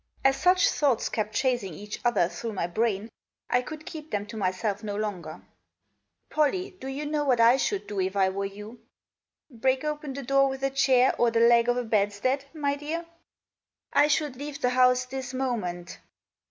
As such thoughts kept chasing each other through my brain I could keep them to myself no longer. " Pollie, do you know what I should do if I were you?" " Break open the door with a chair, or the leg of the bedstead, my dear ?"" I should leave the house this moment."